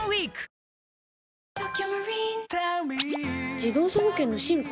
自動車保険の進化？